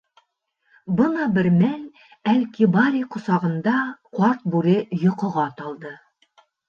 Бына бер мәл Әл-Кибари ҡосағында ҡарт бүре йоҡоға талды.